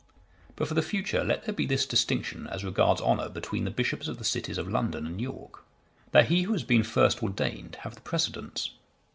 But for the future let there be this distinction as regards honour between the bishops of the cities of London and York, that he who has been first ordained have the precedence.